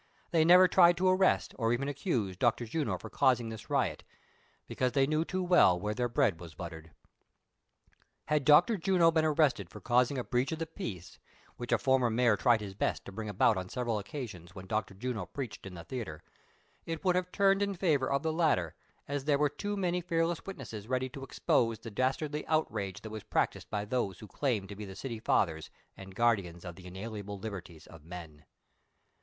They never tried to arrest, or even accuse, Dr. Juno for causing this riot ; because they knew too well where their bread was buttered. Had Dr. Juno been arrested for causing a breach of the peace, which a former mayor tried his best to bring about on several occasions, when Dr. Juno preached in the theatre, it would have turned in favor of the latter, as there were too many fearless witnesses ready to expose the dastardly outrage that was practised by those who claim to be tlie city fathers and guardians of the inalienable liber ties of men.